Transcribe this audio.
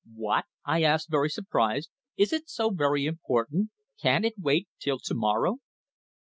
"What?" I asked, very surprised. "Is it so very important? Can't it wait till to morrow?"